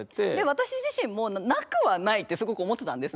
私自身もなくはないってすごく思ってたんですけど。